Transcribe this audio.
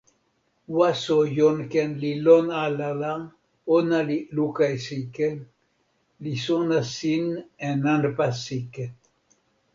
waso Jonken li lon ala la, ona li luka e sike, li sona sin e nanpa sike.